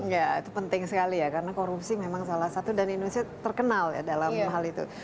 ya itu penting sekali ya karena korupsi memang salah satu dan indonesia terkenal ya dalam hal itu